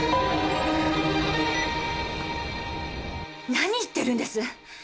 何言ってるんです！？